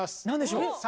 何でしょう？